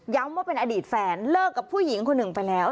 ว่าเป็นอดีตแฟนเลิกกับผู้หญิงคนหนึ่งไปแล้ว